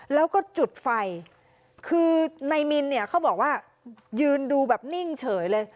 แล้วก็จุดไฟคือนายมินเนี่ยเขาบอกว่ายืนดูแบบนิ่งเฉยเลย